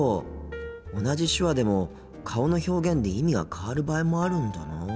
同じ手話でも顔の表現で意味が変わる場合もあるんだなあ。